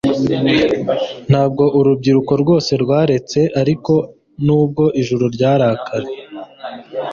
Ntabwo urubyiruko rwose rwaretse ariko nubwo ijuru ryarakaye